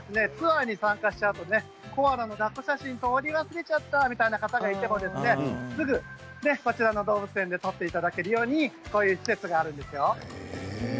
なぜ室内に動物園があるかというと皆さん、ツアーに参加したあとコアラのだっこ写真撮り忘れちゃったという方がいてもすぐにこちらの動物園で撮っていただけるようにこういう施設があるんですよ。